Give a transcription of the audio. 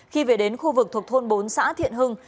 khi về đến khu vực thuộc thôn bốn xã thiện hưng